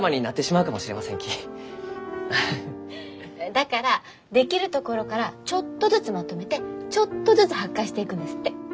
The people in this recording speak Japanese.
だからできるところからちょっとずつまとめてちょっとずつ発刊していくんですって。